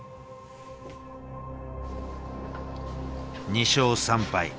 ２勝３敗。